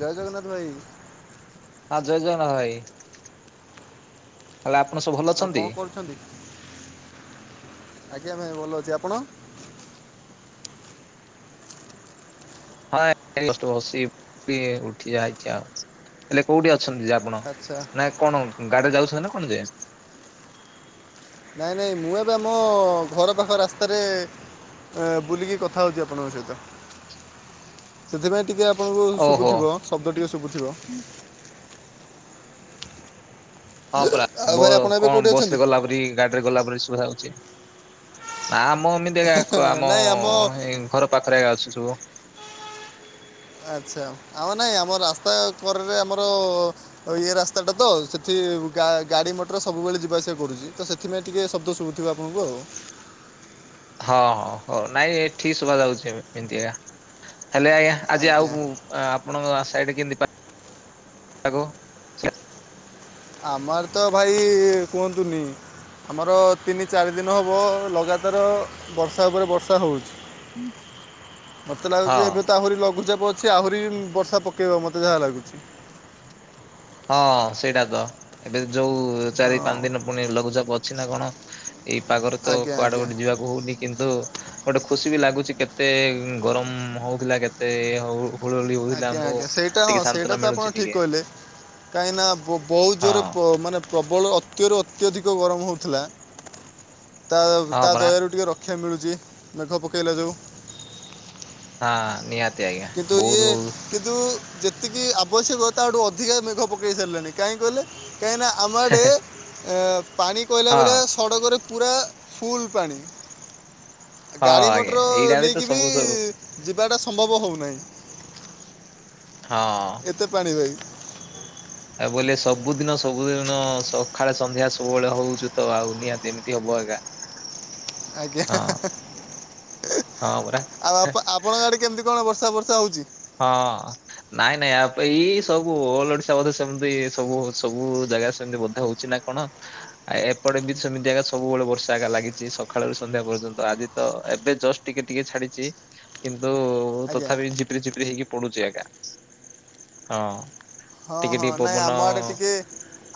ଜୟ ଜଗନ୍ନାଥ ଭାଇ। ହଁ ଜୟ ଜଗନ୍ନାଥ ଭାଇ। ହେଲେ ଆପଣ ସବୁ ଭଲ ଆଉ ଅଛନ୍ତି? କଣ ଆଜ୍ଞା ଭାଇ ଭଲ ଅଛି। ଆପଣ? ହଁ ଏଇ ଜଷ୍ଟ ବସି [unintelligible] ଉଠି ଯାଇଛି ଆଉ, ହେଲେ କୋଉଠି ଅଛନ୍ତି ଯେ ଆ ଆପଣ? ଆଚ୍ଛା ନା କଣ ଗାଡି ଯାଉଛନ୍ତି ନା କଣ ଯେ? ନାଇଁ ନାଇଁ ମୁଁ ଏବେ ଆମ ଘର ପାଖ ରାସ୍ତାରେ ହେଁ ବୁଲିକି କଥା ହଉଛି ଆପଣଙ୍କ ସହିତ। ସେଥିପାଇଁ ଟିକେ ଆପଣଙ୍କୁ ଓହୋ। ଶୁଭୁଥିବ ଶବ୍ଦ ଟିକେ ଶୁଭୁଥିବ। ହଁ ପରା ଆଉ ବ ଭାଇ ଆପଣ ଏବେ କୋଉଠି କଣ ଅଛନ୍ତି? ବସରେ ଗଲାପରି ଗାଡିରେ ଗଲାପରି ଶୁଭା ଯାଉଛି। ନା ମ ଏମିତି ଆକ ଆମ ଏଇ ଘର ପାଖରେ ଅଛି ସବୁ। ଆଚ୍ଛା ଆ ମାନେ ଆମ ରାସ୍ତା କରରେ ଆମର ଆଉ ଇଏ ରାସ୍ତା ଟା ତ ସେଠି ଗା-ଗାଡି ମଟର ସବୁବେଳେ ଯିବା ଆସିବା କରୁଛି ତ ସେ ଥିପାଇଁ ଟିକେ ଶବ୍ଦ ଶୁଭୁଥିବ ଆପଣଙ୍କୁ ଆଉ। ହଁ ହଁ ହଉ ନାଇଁ ଏଠି ଶୁଭାଯାଉଛି ଏମିତିକା ହେଲେ ଆଜ୍ଞା ଆଜି ଆଜ୍ଞା ଆଉ ଆପଣଙ୍କ ସାଇଡ କେମିତି ପା ପାଗ? ଆମ ଆଡ଼େ ତ ଭାଇ କୁହନ୍ତୁନି। ଆମର ତିନି ଚାରି ଦିନ ହବ ଲଗାତାର ବର୍ଷା ଉପରେ ବର୍ଷା ହଉଛି। [inaudible] ମତେ ଲାଗୁଛି ହଁ। ଏବେ ତ ଆହୁରି ଲଘୁଚାପ ଅଛି ଆହୁରି ବର୍ଷା ପକେଇବ ମତେ ଯାହା ଲାଗୁଛି। ହଁ ସେଇଟା ତ ଏବେ ଯୋଉ ଚାରି ହଁ ପାଞ୍ଚ ଦିନ ପୁଣି ଲଘୁଚାପ ଅଛି ନା କଣ। ଏଇ ପାଗରେ ତ ଆଜ୍ଞା କୁଆଡେ ଆଜ୍ଞା ଗୋଟେ ଯିବା କୁ ହଉନି କିନ୍ତୁ ଗୋଟେ ଖୁସି ବି ଲାଗୁଛି କେତେ ଗରମ ହଉଥିଲା କେତେ ହଉ ହୁଳ ହୁଳି ହଉଥିଲା ଆଜ୍ଞା ଆମ୍ଭ ଟିକେ ସନ୍ତନା ମିଳୁଛି ଟିକେ। କାହିଁ ନା ବ-ବହୁ ଜୋରେ ହଁ। ପ ମାନେ ପ୍ରବଳ ଅତ୍ୟରୁ ଅତ୍ୟଧିକ ଗରମ ହଉଥିଲା ତା ହଁ ତା ପରା ଦୟାରୁ ଟିକେ ର କ୍ଷା ମିଳୁଛି ମେଘ ପକାଇଲା ଯୋଗୁଁ। ହଁ ନିହା କିନ୍ତୁ ଇଏ କିନ୍ତୁ ଯେତିକି ଆବଶ୍ୟକ ତାଠୁ ଅଧିକା ମେଘ ପକାଇ ସାରିଲାଣି କାହିଁକି କହିଲେ? କାହିଁ ନା ଆମ ହେ ଆଡ଼େ ହେ, ଏ ପାଣି କଇଲା ହଁ। ଭଳିଆ ସଡ଼କରେ ପୁରା ଫୁଲ୍ ପାଣି। ହଁ ଗାଡ଼ି ଆଜ୍ଞା ମଟର ଏଇଟା ତ ନେଇକି ବି ସବୁ ସବୁ ହଁ। ଯିବାଟା ସମ୍ଭବ ହଉନାହିଁ। ହଁ। ଏତେ ପାଣି ଭାଇ। ଆ ବୋଲେ ସବୁଦିନ ସବୁଦିନ ସକାଳେ ସନ୍ଧ୍ୟା ସବୁବେଳେ ହଉଚି ତ ଆଉ ନିହାତି ଏମିତି ହବ ଆଜ୍ଞା। ଆଜ୍ଞା ହା ହା ହା ହଁ ପରା। ଆଉ ଆ-ଆପଣଙ୍କ ଆଡେ କେମିତି କଣ ବର୍ଷା ପର୍ଷା ହଉଛି? ହଁ। ନାଇଁ ନାଇଁ ୟା ଏଇ ସବୁ ଅଲ ଓଡିଶା ବୋଧେ ସେମିତି ସବୁ ସବୁ ଜାଗା ସେମିତି ବୋଧେ ହଉଛି ନା କଣ? ଆ ଏପଟେ ବି ସେମିତି ଆଜ୍ଞା ସବୁବେଳେ ବର୍ଷା ଆଜ୍ଞା ଲାଗିଛି ସକାଳରୁ ସନ୍ଧ୍ୟା ପର୍ଯ୍ୟନ୍ତ ଆଜି ତ ଏବେ ଜଷ୍ଟ ଟିକେ ଟିକେ ଛାଡିଛି କିନ୍ତୁ ହଉ ଆଜ୍ଞା ତଥାପି ଝିପ୍ରି ଝିପ୍ରି ହେଇକି ପଡୁଛି ଆଜ୍ଞା ହଁ। ହଁ ଟିକେ ହଁ ଟିକେ ନାଇଁ ପବନ ଆମ ଆଡ଼େ ଟିକେ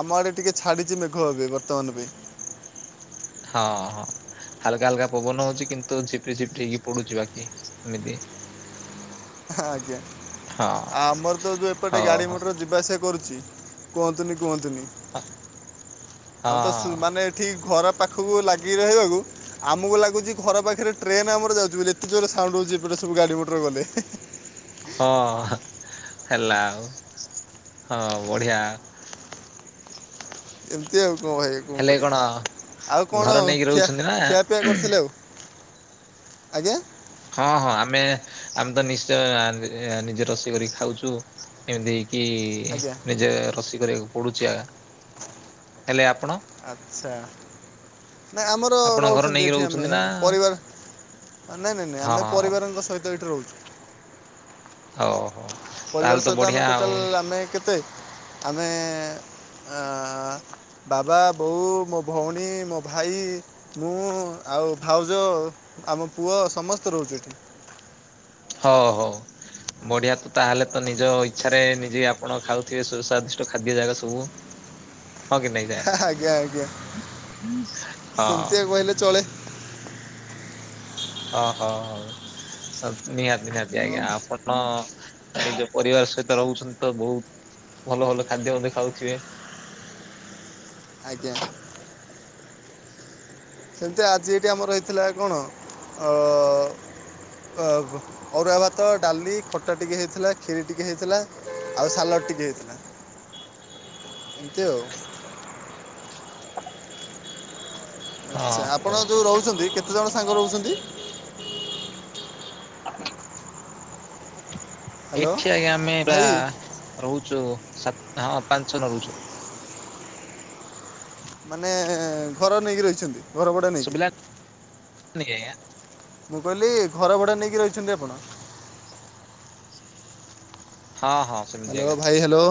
ଆମ ଆଡ଼େ ଟିକେ ଛାଡ଼ିଛି ମେଘ ଏବେ ବର୍ତ୍ତମାନ ପାଇଁ। ହଁ ହଁ। ହାଲକା ହାଲକା ପବନ ହଉଛି କିନ୍ତୁ ଝିପ୍ରି ଝିପ୍ରି ଇଏ ପଡୁଛି ବାକି ଏମିତି। ଆଜ୍ଞା ହଁ। ଆମର ତ ଯୋଉ ଏପଟେ ହଉ ଗାଡି ହଉ ମଟର ଯିବାଆସିବା କରୁଛି। କୁହନ୍ତୁନି କୁହନ୍ତୁନି ଆଉ ତ ସୁ ହଁ ମାନେ ଠି ଘର ପାଖକୁ ଲାଗି ରହିବାକୁ ଆମକୁ ଲାଗୁଛି ଘର ପାଖରେ ଟ୍ରେନ ଆମର ଯାଉଛି ବୋଲି ଏତେ ଜୋରେ ସାଉଣ୍ଡ ହଉଛି ଏପଟେ ସବୁ ଗାଡି ମଟର ଗଲେ। ହେ ହେ। ହଁ [inaudible] ହଁ ହେଲା ଆଉ ହଁ ବଢିଆ। ଏମିତି ଆଉ କଣ ଭାଇ କଣ କରିବା ଆଉ କଣ ଘର ନେଇକି ଖିଆ ରହୁଛନ୍ତି ନା ଖିଆପିଆ କରିଥିଲେ ଆଉ? ଆଜ୍ଞା? ହଁ ହଁ ଆମେ ଆମେ ତ ନିଶ୍ଚୟ ନିଜେ ରୋଷେଇ କରିକି ଖାଉଛୁ। ଏମିତି ହେଇକି ଆଜ୍ଞା ନିଜେ ରୋଷେଇ କରିବାକୁ ପଡୁଛି ଆ ହେଲେ ଆପଣ ଆଚ୍ଛା ନାଇ ଆମର ଆପଣଙ୍କ ଘର ରହୁଛନ୍ତି ନେଇକି ଏଠି ଆମେ ନା ପରିବାର। ନାଇଁ ନାଇଁ ନାଇଁ ହଁ ଆମେ ପରିବାରଙ୍କ ସହିତ ଏଇଠି ରହୁଛୁ। ଓ ହୋ। ପରିବାର ସହିତ ଆମେ ଟୋଟାଲ ଆମେ କେତେ ଆମେ ବାବା ବୋଉ ମୋ ଭଉଣୀ ମୋ ଭାଇ ମୁଁ ଆଉ ଭାଉଜ ଆମ ପୁଅ ସମସ୍ତେ ରହୁଛି ଏଠି। ହ ହ। ବଢିଆ ତ ତାହେଲେ ତ ନିଜ ଇଚ୍ଛାରେ ନିଜେ ଆପଣ ଖାଉଥିବେ ସୁସ୍ୱାଦିଷ୍ଟ ଖାଦ୍ୟ ଜାକ ସବୁ। ହଁ କି ଆଜ୍ଞା ଆଜ୍ଞା ନେଇଯାଏ ହଁ। ହେଲେ ଚଳେ। ଅ ହ ନିହାତି ନିହାତି ଆଉ ଆଜ୍ଞା ଆପଣ ନିଜ ପରିବାର ସହିତ ରହୁଛନ୍ତି ତ ବହୁତ୍ ଭଲ ଭଲ ଖାଦ୍ୟ ମଧ୍ୟ ଖାଉଥିବେ। ଆଜ୍ଞା। ସେମିତି ଆଜି ଏଇଠି ଆମର ହେଇଥିଲା କଣ ଅ ଅବ ଅରୁଆ ଭାତ ଡାଲି ଖଟା ଟିକେ ହେଇଥିଲା କ୍ଷୀରି ଟିକେ ହେଇଥିଲା ଆଉ ସାଲାଡ଼ ଟିକେ ହେଇଥିଲା। ଏମିତି ଆଉ। ହଁ ଆଚ୍ଛା ଆପଣ ହଉ। ଯେଉଁ ରହୁଛନ୍ତି କେତେଜଣ ସାଙ୍ଗ ରହୁଛନ୍ତି? [inaudible] ହ୍ୟାଲୋ ଏଇଠି ଆଜ୍ଞା ଆମେ ବା ଭାଇ ରହୁଛୁ ସାତ ହଁ ପାଞ୍ଚ ଛ ଜଣ ରହୁଛୁ। ମାନେ ଘର ନେଇକି ରହିଛନ୍ତି ଘରଭଡା ନେଇକି। ଶୁଭିଲାନି [inaudible] ମୁଁ କହିଲି ଘରଭଡ଼ା ନେଇକି ରହିଛନ୍ତି ଆପଣ? ହଁ ହଁ। ସେମିତି ହାଲୋ ଭାଇ ହାଲୋ।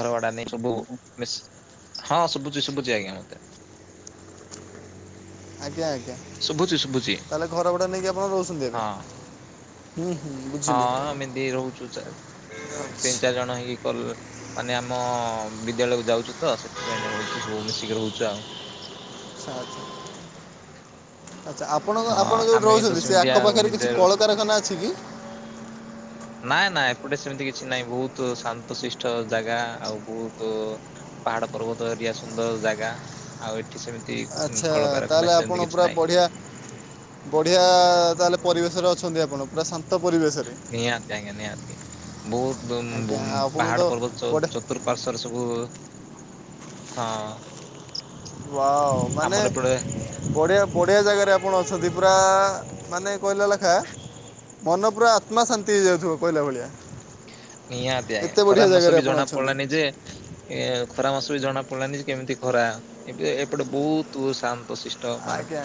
ଘରଭଡା ନେଇ ସବୁ ମିଶ୍ ହଁ ଶୁଭୁଛି ଶୁଭୁଛି ଆଜ୍ଞା ମତେ। ଆଜ୍ଞା ଆଜ୍ଞା ଶୁଭୁଛି ଶୁଭୁଛି ତାହେଲେ ଘରଭଡ଼ା ନେଇକି ଆପଣ ରହୁଛନ୍ତି ଏବେ। ହଁ ହୁଁ ହୁଁ ହଁ ବୁଝିଲି। ଏମିତି ରହୁଛୁ ଚା ଆଚ୍ଛା ତିନି ଚାରି ଜଣ ହେଇକି କଲେ ମାନେ ଆମ ବିଦ୍ୟାଳୟକୁ ଯାଉଚୁ ତ ସେଥିପାଇଁ ନିୟମ କରୁଚୁ ସବୁ ମିଶିକି ରହୁଛୁ ଆଉ ଆଛା। ଆଚ୍ଛା ଆପଣ ହଁ ଆପଣ ଯୋଉଠି ଆମେ ବି ତ ରହୁଛନ୍ତି ସେ ସେମିତି ଆଖ ଆଉ ପାଖରେ କିଛି ନିଜେ କଳକାରଖାନା ଅଛି କି? [inaudible] ନାଇଁ ନାଇଁ ଏପଟେ ସେମିତି କିଛି ନାହିଁ ବହୁତ ଶାନ୍ତଶିଷ୍ଟ ଜାଗା ଆଉ ବହୁତୁ ପାହାଡ ପର୍ବତ ଏରିଆ ସୁନ୍ଦର ଜାଗା ଆଉ ଏଠି ସେମିତି ଆଚ୍ଛା କଳକାରଖାନା ତାହେଲେ ସେମିତି ଆପଣ କିଛି ପୁରା ନାହିଁ ବଢ଼ିଆ ବଢିଆ ତାହେଲେ ପରିବେଶରେ ଅଛନ୍ତି ଆପଣ ପୁରା ଶାନ୍ତ ଶାନ୍ତ ପରିବେଶରେ। ନିହାତି ଆଜ୍ଞା ନିହାତି ବହୁତ ଆଜ୍ଞା ଆପଣଙ୍କୁ ତ ପାହାଡ ପର୍ବତ ଚ ବଢ଼ିଆ ଚ ଚତୁର୍ପାର୍ଶ୍ଵରେ ସବୁ ହଁ। ୱାଓ ମାନେ ଆମର ଏପଟେ ବଢିଆ ବଢ଼ିଆ ଜାଗାରେ ଆପଣ ଅଛନ୍ତି ପୁରା ମାନେ କହିଲା ଲେଖାଁ ମନ ପୁରା ଆତ୍ମା ଶାନ୍ତି ହେଇଯାଉଥିବ କହିଲା ଭଳିଆ। ନିହାତି ଆଜ୍ଞା ଏତେ ଖରା ବଢ଼ିଆ ମାସ ଜାଗାରେ ବି ଆପଣ ଜଣା ଅଛନ୍ତି। ପଡିଲାନି ଯେ ଏ ଖରା ମାସ ବି ଜଣା ପଡିଲାନି ଯେ କେମିତି ଖରା ଏ ଏପଟେ ବହୁତ ଶାନ୍ତ ସିଷ୍ଟ। ତ ମାନେ ଆଜ୍ଞା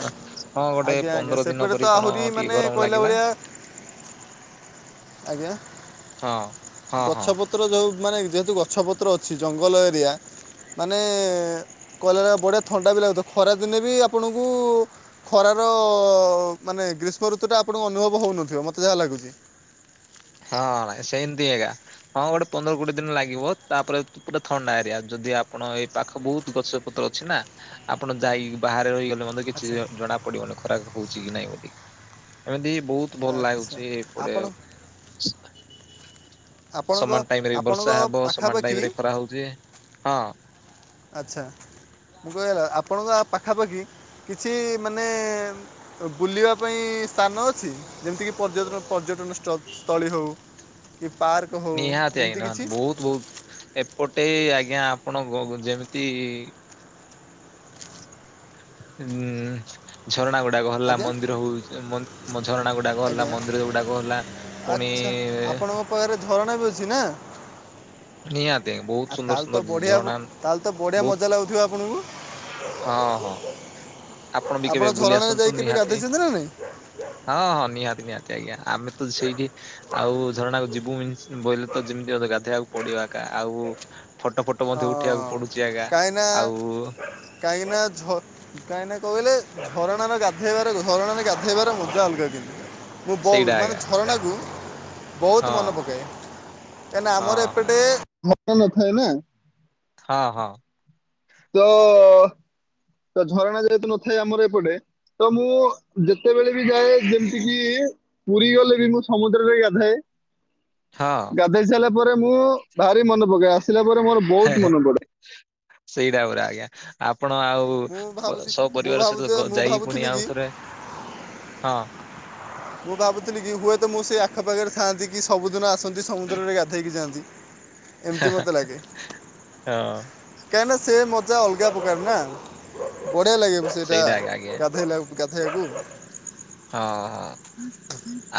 ହଁ ଗୋଟେ ଆଜ୍ଞା ଆଜ୍ଞା ପନ୍ଦର ଦିନ ସେପଟେ ତ ପରି କଣ ଆହୁରି ଟିକେ ମାନେ ଗରମ କହିଲା ଲାଗିଲା। ଭଳିଆ ଆଜ୍ଞା ହଁ ହଁ ହଁ। ଗଛପ ପତ୍ର ଯୋଉ ମାନେ ଯେହେତୁ ଗଛ ପତ୍ର ଅଛି ଜଙ୍ଗଲ ଏରିଆ ମାନେ କହିଲାଳିଆ ବଢ଼ିଆ ଥଣ୍ଡା ବି ଲାଗୁଥିବ ଖରାଦିନେ ବି ଆପଣଙ୍କୁ ଖରାର ମାନେ ଗ୍ରୀଷ୍ମ ଋତୁଟା ଆପଣଙ୍କୁ ଅନୁଭବ ହଉନଥିବ ମତେ ଯାହା ଲାଗୁଛି। ହଁ ସେଏନ୍ତି ଏ ଗାଁ। ହଁ ଗୋଟେ ପନ୍ଦର କୋଡିଏ ଦିନ ଲାଗିବ, ତାପରେ ପୁରା ଥଣ୍ଡା ଏରିଆ। ଯଦି ଆପଣ ଏଇ ପାଖ ବହୁତ ଗଛ ପତ୍ର ଅଛି ନା, ଆପଣ ଯାଇକି ବାହାରେ ରହିଗଲେ ମ କିଛି ଆଚ୍ଛା ଜଣା ପଡିବନି, ଖରା ହଉଛି କି ନାଇଁ ବୋଲି ଏମିତି ବହୁତ ଭଲ ଆଚ୍ଛା ଲାଗୁଛି ଏପଟେ ଆଉ ଆପଣ ଆପଣଙ୍କ ସମାନ ଟାଇମରେ ବି ଆପଣଙ୍କ ବର୍ଷା ହବ, ସମାନ ପାଖାପାଖି ଟାଇମ ରେ ଖରା ହଉଛି ହଁ। ଆଛା ମୁଁ କୁହାଗଲା ଆପଣଙ୍କ ପାଖାପାଖି କିଛି ମାନେ ବୁଲିବା ପାଇଁ ସ୍ଥାନ ଅଛି, ଯେମିତିକି ପର୍ଯ୍ୟ ପର୍ଯ୍ୟଟନସ୍ଥଳୀ ହଉ। କି ପାର୍କ। ହଉ ନିହାତି ଏମିତି କିଛି ଆାଇନାହାନ୍ତି, ବହୁତ ବହୁତ ଏପଟେ ଆଜ୍ଞା ଆପଣ ଯେମିତି ହୁଁ ଝରଣା ଗୁଡାକ ହେଲା ଆଜ୍ଞା ମନ୍ଦିର ହଉ ଝରଣା ଗୁଡାକ ହେଲା ମନ୍ଦିର ଗୁଡାକ ହେଲା। ପୁଣି ଆଛା ଆପଣଙ୍କ ପାଖରେ ଝରଣା ବି ଅଛି ନା। ନିହାତି ବହୁତ ଆ ସୁନ୍ଦର ତାହେଲେ ତ ସୁନ୍ଦର ବଢିଆ, ଝରଣା ତାହେଲେ ତ ବଢିଆ ବହୁତ ମଜା ଲାଗୁଥିବ ଆପଣଙ୍କୁ। ହଁ ହଁ ବି ଆପଣ କେବେ ବୁଲି ଝରଣାରେ ଯାଇ ଆସନ୍ତୁ କେବେ ନିହାତି। ଗାଧୋଇଛନ୍ତି ନା ନାଇଁ? ହଁ ହଁ ନିହାତି ନିହାତି ଆଜ୍ଞା ଆମେ ତ ସେଇଠି। ଆଉ ଝରଣାକୁ ଯିବୁ ବୋଇେ ତ ଯେମିତି ଗାଧେଇୋଇବାକୁ ପଡିବ ଆକା, ଆଉ ଫଟୋ ଫଟ ଟ ମଧ୍ୟ ଉଠେଇବାକୁ ପଡୁଛି ଆଜ୍ଞା ଆଉ କାଇହିଁନା ଝର କାହିଁନା କହିଲେ ଝରଣାରେ ଗାଧେଇବାର ଝରଣାରେ ଗାଧେଇବାର ମଜା ଅଲଗା କିନ୍ତୁ ମୁଁ ବହୁତ ସେଇଟା ମାନେ ଆଜ୍ଞା ଝରଣାକୁ ହଁ ବହୁତ ମନେ ପକାଏ କାହିଁକିନା ହଁ ଆମର ହଁ ଏପଟେ ନଥାଏ ନା। ହଁ ହଁ। ତ ତ ଝରଣା ଯେହେତୁ ନଥାଏ ଆମର ଏପଟେ, ତ ମୁଁ ଯେତେବେଳେ ବି ଯାଏ ଯେମିତି କିି ପୁରୀ ଗଲେ ବି ମୁଁ ସମୁଦ୍ରରେ ଗାଧାଏ। ହଁ ଅ ପଟେଇ ସାରିଲା ପରେ ମୁଁ ଭାରି ମନେ ପକାଏ ଆସିଲା ପରେ ମୋର ବହୁତ ମନେ ପଡେ ସେଇଟା ପୁରା ଆଜ୍ଞା ଆପଣ ଆଉ। ମୁଁ ଭାବୁଛି ସବୁ ମୁଁ ପରିବାର ଭାବୁଛି ସହିତ ମୁଁ ଯାଇକି ପୁଣି ଭାବୁଥିଲି କି ଆଉଥରେ, ହଁ। ମୁଁ ଭାବୁଥିଲି କି ହୁଏତ ମୁଁ ସେଇ ଆଖପାଖରେ ଥାଆନ୍ତି କି ସବୁଦିନ ଆସନ୍ତି। ଯଦି ସମୁଦ୍ରରେ ଗାଧୋଇକି ଯାଆନ୍ତି। ଏମିତି ମୋତେ ଲାଗେ [unintelligible] ହଁ କାହିଁକିନା ସେ ମଜା ଅଲଗା ପ୍ରକାର ନା, ବଢ଼ିଆ ଲାଗିବ ସେଇଟା ଆଜ୍ଞା ଆଜ୍ଞା ଗାଧୋଇଲାକୁ। ଗାଧୋଇଲାକୁ। ହଁ ହଁ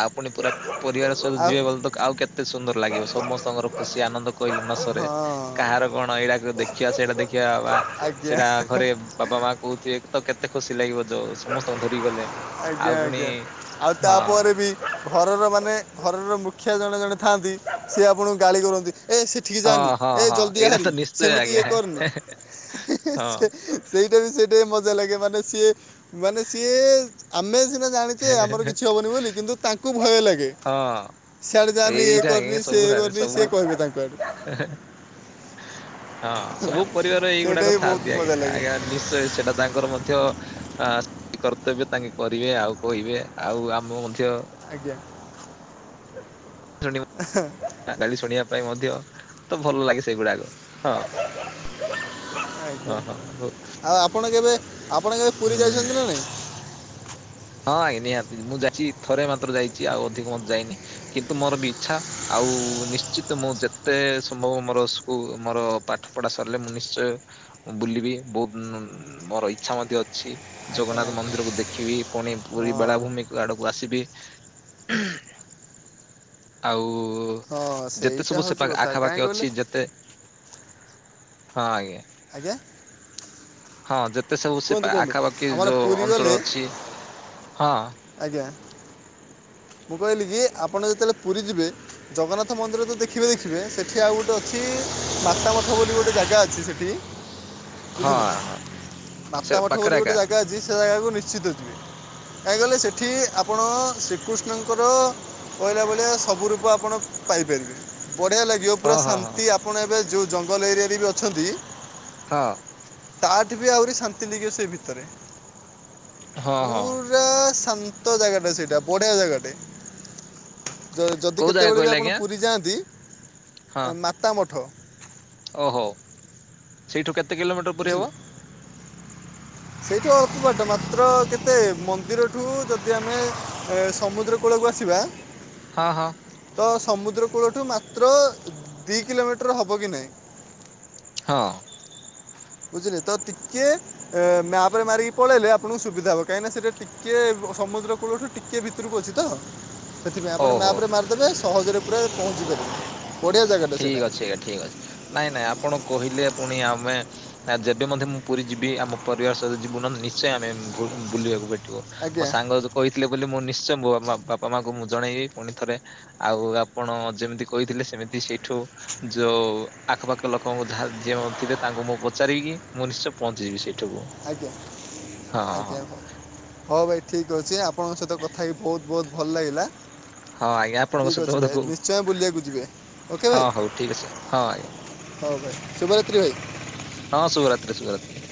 ଆଉ ପୁଣି ପୁରା। ପରିବାର ସହିତ ଆଉ ଯିବେ ବ ତ ଆଉ କେତେ ସୁନ୍ଦର ଲାଗିବ, ସମସ୍ତଙ୍କର ଖୁସି ଆନନ୍ଦ କହିଲେ ନ ସରେ। ହଁ କାହାର କଣ ଏଇଟାକୁ ଦେଖିବା ସେଇଟା ଦେଖିବା ବା ଆଜ୍ଞା ସେଇଟା ଘରେ ବାପା ମା କହୁଥିବେ ତ କେତେ ଖୁସି ଲାଗିବ ଯୋଉ ସମସ୍ତଙ୍କୁ ଧରି ଗଲେ। ଆଉ ଆଜ୍ଞା ପୁଣି ଆଜ୍ଞା ଆଉ ତାପରେ ହଁ। ବି ଘରର ମାନେ ଘରର ମୁଖିଆ ଜଣେ ଜଣେ ଥାଆନ୍ତି ସିଏ ଆପଣଙ୍କୁ ଗାଳି କରନ୍ତି ଏ ଠିକ୍ ଯାନି ହଁ ହଁ ଏ ହଁ ଜଲ୍ଦି ଏଇଟା ଆହାରି ତ ନିଶ୍ଚୟ ସେମିତି ଆଜ୍ଞା ଇଏ କରିନି। ହଁ। ସେଇଟା ବି ସେଟା ମଜା ଲାଗେ ମାନେ ସିଏ ମାନେ ସିଏ। ଆମେ ସିନା ଜାଣିଛେ ଆମର କିଛି ହବନି ବୋଲି କିନ୍ତୁ ତାଙ୍କୁ ଭୟ ଲାଗେ। ହଁ ସିଆଡେ ଯାନି ଏ ଏଇଟା କରିନି ସେଏ କରନି ଏନି ସେ କହିବେ ତାଙ୍କ ଆଡୁ। ହେ ହେ ହଁ ସବୁ ପରିବାର ସେଇଟା ବି ବହୁତ ଏଇଗୁଡାକଥାନ୍ତି ମଜା ଆଜ୍ଞା ଲାଗେ ଆଜ୍ଞା ନିଶ୍ଚୟ ସେଇଟା। ତାଙ୍କର ମଧ୍ୟ। ଆ କର୍ତ୍ତବ୍ୟ ତାଙ୍କେ କରିବେ ଆଉ କହିବେ ଆଉ ଆମ ମଧ୍ୟ ଆଜ୍ଞା। ଗାଲି ଶୁଣିବା ପାଇଁ ମଧ୍ୟ, ତ ଭଲ ଲାଗେ ସେଇଗୁଡାକ। ହଁ- ଆଜ୍ଞା ହଁ- ହଁ ହଉ। ଆଉ ଆପଣ କେବେ, ଆପଣ କେବେ ପୁରୀ ହୁଁ ହୁଁ ଯାଇଛନ୍ତି ନା ନାଇଁ? ହଁ ଆଜ୍ଞା ନିହାତି ମୁଁ ଯାଇଛି ଥରେ ମାତ୍ର ଯାଇଛି, ଆଉ ଅଧିକ [unintelligible] ଯାଇନି କିନ୍ତୁ ମୋର ବି ଇଚ୍ଛା ଆଉ ନିଶ୍ଚିତ ମୁଁ ଯେତେ ସମ୍ଭବ ମୋର ସ୍କୁ ମୋର ପାଠ ପଢା ସରିଲେ, ମୁଁ ନିଶ୍ଚୟ ମୁଁ ବୁଲିବି, ବହୁତ ମୋର ଇଚ୍ଛା ମଧ୍ୟ ଅଛି। ଆଜ୍ଞା ଜଗନ୍ନାଥ ଆଜ୍ଞା ମନ୍ଦିରକୁୁ ଦେଖିବି, ପୁଣି ପୁରୀ ହଁ ବେଳାଭୂମି ଆଡକୁ ଆସିବି, ଆଉ ଆଉ ହଁ ଯେତେ ସବୁ ସେଇଟା ସେ ପା ହେଉଛି କଥା ଆଖାପାଖି କାହିଁ କହିଲେ ଅଛି ଯେତେ ହଁ ଆଜ୍ଞା। ଆଜ୍ଞା। ହଁ ଯେତେ ସବୁ ସେ କୁହନ୍ତୁ ପା କୁହନ୍ତୁ ଆଖାପାଖି ଆମର ଯୋଉ ପୁରୀ ଗଲେ ଅଞ୍ଚଳ ଅଛି ହଁ। ଆଜ୍ଞା ମୁଁ କହିଲି କି ଆପଣ ଯେତେବେଳେ ପୁରୀ ଯିବେ ଜଗନ୍ନାଥ ମନ୍ଦିର ତ ଦେଖିବେ ଦେଖିବେ, ସେଠି ଆଉ ଗୋଟେ ଅଛି ମାତାମଠ ବୋଲି ଗୋଟେ ଜାଗା ଅଛି। ସେଠି ବୁଝିଲେ ହଁ- ହଁ। ସେ ମାତା ମଠ ବୋଲି ପାଖରେ ଗୋଟେ ଏକା। ଜାଗା ଅଛି, ସେ ଜାଗାକୁ ନିଶ୍ଚିତ ଯିବେ। କାଇଁ କହିଲେ ସେଠି ଆପଣ ଶ୍ରୀକୃଷ୍ଣଙ୍କର କହିଲା ଭଳିଆ ସବୁ ରୂପ ଆପଣ ପାଇପାରିବେ, ବଢିଆ ଲା ଗିବ ହଁ ପୁରା ହଁ ହଁ ଶାନ୍ତି, ଆପଣ ଏବେ ଯୋଉ ଜଙ୍ଗଲ ଏରିଆରେ ବି ଅଛନ୍ତି ହଁ। ତାଠୁ ବି ଆହୁରି ଶାନ୍ତି ଲାଗିବ ସେ ଭିତରେ, ହଁ ପୁ ହଁ ପୁରା ଶାନ୍ତ ଜାଗାଟା ସେଇଟା ବଢିଆ ଜାଗାଟେ। ଯ- ଯଦି କୋଉ ଜାଗା କେତେବେଳେ ବି କହିଲେ ଆପଣ ଆଜ୍ଞା? ପୁରୀ ଯାଆନ୍ତି, ମାତାମଠ ଓ ହ ସେଇଠୁ କେତେ କିଲୋମିଟର ପୁରୀ ବୁଝିଲେ ହବ? ସେଇଠି ଅଳ୍ପ ବାଟ, ମାତ୍ର କେତେ ମନ୍ଦିରଠୁ ଯଦି ଆମେ ଏ ସମୁଦ୍ର କୂଳକୁ ଆସିବା ହଁ- ହଁ। ତ ସମୁଦ୍ର କୂଳଠୁ ମାତ୍ର ଦିଇ କିଲୋମିଟର ହବ କି ନାହିଁ। ହଁ। ବୁଝିଲେ ତ ଟିକେ ଏ ମ୍ୟାପ୍ ରେ ମାରିକି ପଳେଇଲେ ଆପଣଙ୍କୁ ସୁବିଧା ହବ, କାଇଁନା ସେଟା ଟିକେ ଅ ସମୁଦ୍ର କୂଳଠୁ ଟିକେ ଭିତରକୁ ଅଛି ତ, ସେଥିପାଇଁ ଆପଣ ଓହୋ। ମ୍ୟାପ୍ ରେ ମାରିଦେବେ ସହଜରେ ପୁରା ପହଞ୍ଚି ପାରିବେ। ଠିକ୍ ଅଛି ଆଜ୍ଞା ଠିକ୍ ଅଛି ନାଇଁ ନାଇଁ ଆପଣ କହିଲେ, ପୁଣି ଆମେ ଆ ଯେବେ ମଧ୍ୟେ ମୁଁ ପୁରୀ ଯିବି, ଆମ ପରିବାର ସହିତ ଯିବୁ ନହେଲେ ନିଶ୍ଚୟ ଆମେ ବୁ ବୁଲିବାକୁ ଭେ [unintelligible] ମୋ ଆଜ୍ଞା ସାଙ୍ଗ ଯୋଉ କହିଥିଲେ ବୋଲି, ମୁଁ ନିଶ୍ଚୟ ମୋ ମା ବାପା ମାଙ୍କୁ ମୁଁ ଜଣେଇବି। ପୁଣି ଥରେ ଆଉ ଆପଣ ଯେମିତି କହିଥିଲେ, ସେମିତି ସେଇଠୁ ଯୋଉ ଆଖପାଖ ଲୋକଙ୍କୁ ଧା ଯେଉଁ ଥିବେ ତାଙ୍କୁ ମୁଁ ପଚାରିକି, ମୁଁ ନିଶ୍ଚୟ ପହଞ୍ଚିଯିବି ସେଇଠିକୁ। ଆଜ୍ଞା ଆଜ୍ଞା ହଉ ହଉ ଭାଇ ଠିକ୍ ଅଛି, ଆପଣଙ୍କ ସହିତ କଥା ହେଇ ଭଉତ ଭଉତ ଭଲ ଲାଗିଲା। ହଁ ଆଜ୍ଞା ଆପଣଙ୍କ ଠିକ୍ ସହିତ ଅଛି କଥା ଭାଇ, କ ନିଶ୍ଚୟ ବୁଲିବାକୁ ଯିବେ ଓକେ ହଁ ଭାଇ। ହଉ ଠିକ୍ ଅଛି ହଁ ଆଜ୍ଞା ହଉ ଭାଇ ଶୁଭରାତ୍ରି ଭାଇ। ହଁ ଶୁଭରାତ୍ରି ଶୁଭରାତ୍ରି।